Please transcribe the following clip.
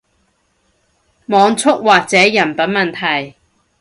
網速或者人品問題